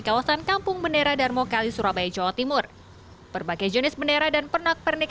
kawasan kampung bendera darmo kali surabaya jawa timur berbagai jenis bendera dan pernak pernik